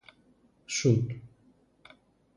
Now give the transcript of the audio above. Σουτ!